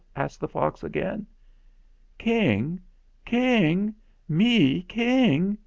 asked the fox again. "King King me King!"